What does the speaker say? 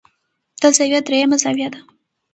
دا زاويه درېيمه زاويه ده